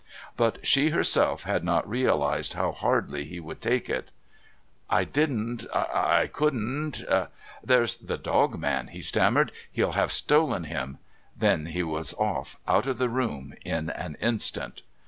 But she herself had not realised how hardly he would take it. "I didn't I couldn't " "There's the dog man," he stammered. "He'll have stolen him." Then he was off out of the room in an instant.